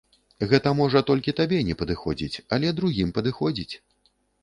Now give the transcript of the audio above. Гэта, можа, толькі табе не падыходзіць, але другім падыходзіць!